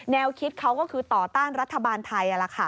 แนวคิดเขาก็คือต่อต้านรัฐบาลไทย